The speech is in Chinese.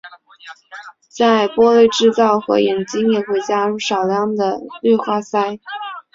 在玻璃制造和冶金也会加入少量的氯化锶。